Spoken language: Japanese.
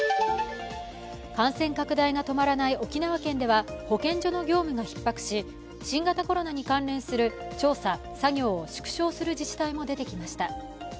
感染拡大が止まらない沖縄県では保健所の業務がひっ迫し、新型コロナに関連する調査、作業を縮小する自治体も出てきました。